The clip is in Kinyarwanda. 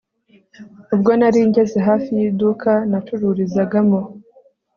Ubwo nari ngeze hafi yiduka nacururizagamo